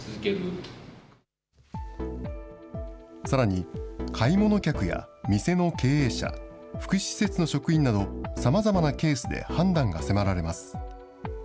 さらに、買い物客や店の経営者、福祉施設の職員など、さまざまなケースで判断が迫られます。